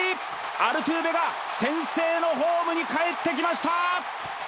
アルトゥーベが先制のホームに帰ってきました。